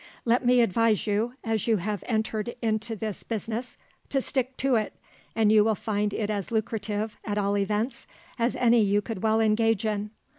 Let me advise you, as you have entered into this business, to stick to it, and you will find it as lucrative, at all events, as any you could well engage in.